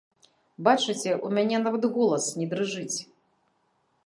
Бачыце, у мяне нават голас не дрыжыць.